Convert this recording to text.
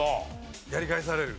やり返される。